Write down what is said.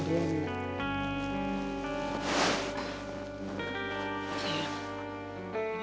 ada yang ya